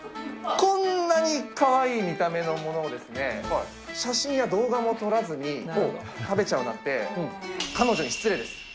こんなにかわいい見た目のものをですね、写真や動画も撮らずに食べちゃうなんて、彼女に失礼です。